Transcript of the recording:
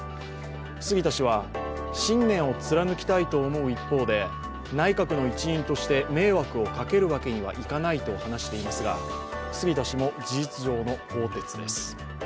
杉田氏は信念を貫きたいと思う一方で内閣の一員として迷惑をかけるわけにはいかないと話していますが杉田氏も事実上の更迭です。